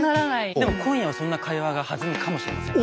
でも今夜はそんな会話が弾むかもしれませんよ。